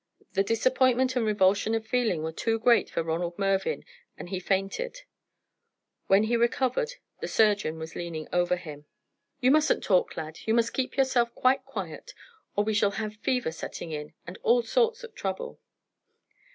The disappointment and revulsion of feeling were too great for Ronald Mervyn, and he fainted. When he recovered, the surgeon was leaning over him. [Illustration: George Forester's death.] "You mustn't talk, lad; you must keep yourself quite quiet, or we shall have fever setting in, and all sorts of trouble."